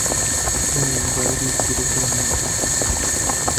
من مۆبایلی زیرەکم نییە.